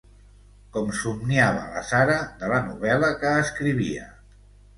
Com somniava la Sara de la novel·la que escrivia.